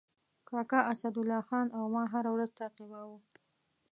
کاکا اسدالله خان او ما هره ورځ تعقیباوه.